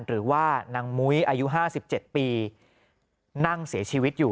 หรือว่านางมุ้ยอายุ๕๗ปีนั่งเสียชีวิตอยู่